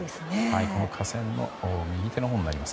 架線の右手のほうになります。